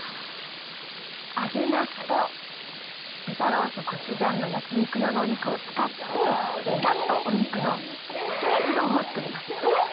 揚げなすと豚ロース、コチュジャンの焼き肉用のお肉を使って、なすとお肉のつけうどんを作ります。